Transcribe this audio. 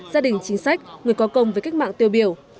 gia đình chính sách người có công với cách mạng tiêu biểu